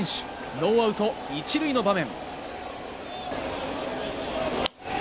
ノーアウト１塁の場面。